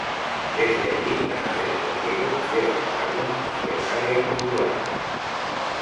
Desde allí, canales de riego llevan el agua hacia el área cultivable.